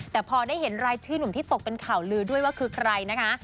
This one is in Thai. แต่พอได้เห็นรายชื่อหนุ่มที่ตกเป็นข่าวลือด้วยว่าคือใครนะคะ